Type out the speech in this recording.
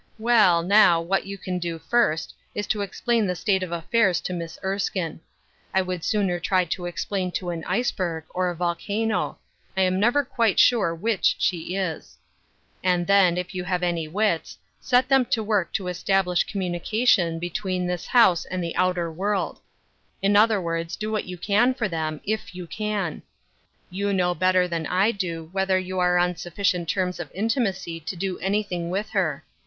Well, now, what you can do first, is to explain the state of affairs to Miss Erskine. I would sooner try to explain to an iceberg, or a volcano — I am never quite sure which she is. And then, if you have any wits, set them to work to establish communicar A Newly Shaped Cross, 176 don between this house and the outer world. In other words, do what you can for them, if you can. You know better than I do whether 70U arc on sufficient terms of intimacy to do anything with her.